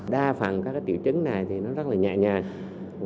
đa phần các triệu chứng này thì nó rất là nhẹ nhàng